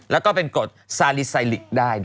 แล้วก็เป็นกฎซาลิไซลิกได้ด้วย